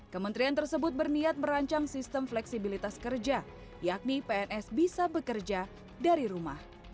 kementerian tersebut berniat merancang sistem fleksibilitas kerja yakni pns bisa bekerja dari rumah